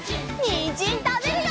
にんじんたべるよ！